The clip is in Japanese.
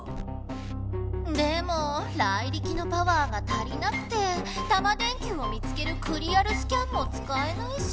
でもライリキのパワーが足りなくてタマ電Ｑを見つけるクリアルスキャンもつかえないし。